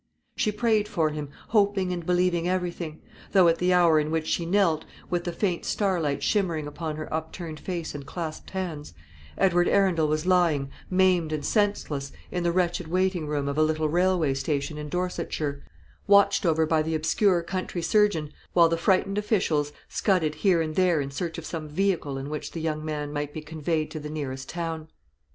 She prayed for him, hoping and believing everything; though at the hour in which she knelt, with the faint starlight shimmering upon her upturned face and clasped hands, Edward Arundel was lying, maimed and senseless, in the wretched waiting room of a little railway station in Dorsetshire, watched over by an obscure country surgeon, while the frightened officials scudded here and there in search of some vehicle in which the young man might be conveyed to the nearest town.